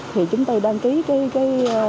thì chúng tôi đăng ký cái